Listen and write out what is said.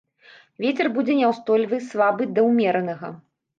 Вецер будзе няўстойлівы слабы да ўмеранага.